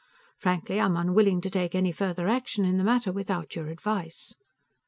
Frankly, I am unwilling to take any further action in the matter without your advice.